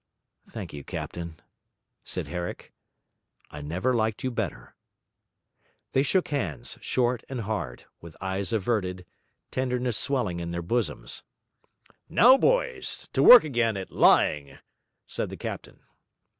'Thank you, captain,' said Herrick. 'I never liked you better.' They shook hands, short and hard, with eyes averted, tenderness swelling in their bosoms. 'Now, boys! to work again at lying!' said the captain.